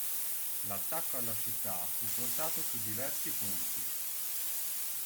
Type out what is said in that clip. L'attacco alla città fu portato su diversi punti.